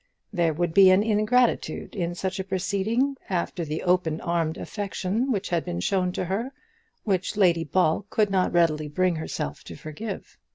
There would be an ingratitude in such a proceeding after the open armed affection which had been shown to her which Lady Ball could not readily bring herself to forgive.